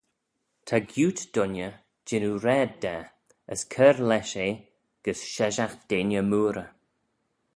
Ta gioot dooinney jannoo raad da as cur lesh eh gys sheshaght deiney mooarey.